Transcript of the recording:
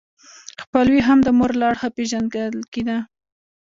خپلوي هم د مور له اړخه پیژندل کیده.